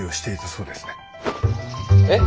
えっ！？